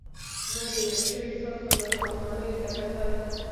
ما د ورک شوي ښار خزانو او ماڼیو ته کتل.